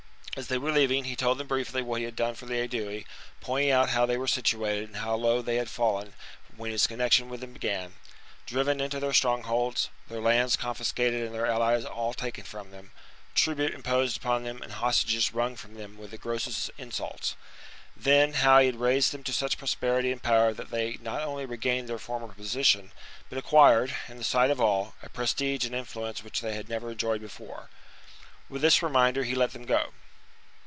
As they were leaving he told them briefly what he had done for the Aedui, pointing out how they were situated and how low they had fallen when his connexion with them began, — driven into their strongholds, their lands confiscated, and their allies all taken from them, tribute imposed upon them and hostages wrung from them with the grossest insults ; then how he had raised them to such prosperity and power that they not only regained their former position but acquired, in the sight of all, a prestige and influence which they had never enjoyed before. With this reminder he let them go.